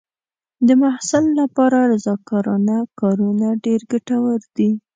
د محصل لپاره رضاکارانه کارونه ډېر ګټور دي.